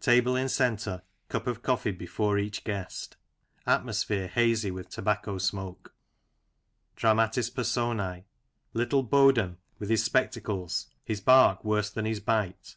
Table in centre, cup of coffee before each guest. Atmosphere hazy with tobacco smoke. Dramatis Personce : Little Boden (with his spectacles — his bark worse than his bite).